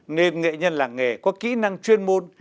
nên nghệ nhân làng nghề có kỹ năng chuyên môn